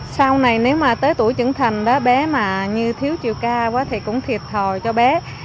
sau này nếu mà tới tuổi trưởng thành đó bé mà như thiếu chiều ca thì cũng thiệt thòi cho bé